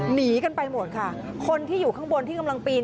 หนีกันไปหมดค่ะคนที่อยู่ข้างบนที่กำลังปีน